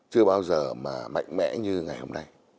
chưa bao giờ mà mạnh mẽ như ngày hôm nay